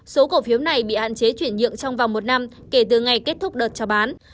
số cổ phiếu này bị hạn chế chuyển nhượng trong vòng một năm kể từ ngày kết thúc đợt trao bán